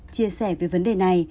chia sẻ về vấn đề này